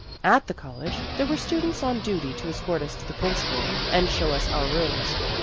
" At the college, there were students on duty to escort us to the Principal, and show us our rooms.